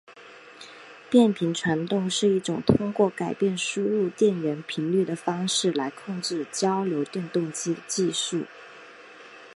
变频传动是一种通过改变输入电源频率的方式来控制交流电动机的技术。